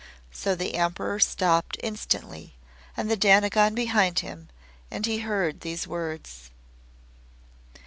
So the Emperor stopped instantly, and the Dainagon behind him and he heard these words.